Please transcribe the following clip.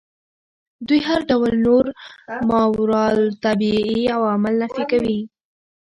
دوی هر ډول نور ماورا الطبیعي عوامل نفي کوي.